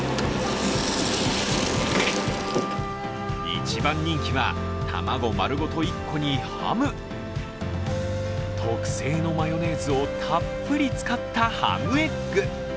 一番人気は、卵丸ごと１個にハム、特製のマヨネーズをたっぷり使ったハムエッグ。